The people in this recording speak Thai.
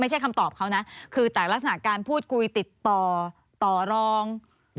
คำตอบเขานะคือแต่ลักษณะการพูดคุยติดต่อต่อรอง